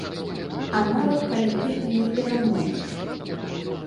А нават калі ты і не пераможаш.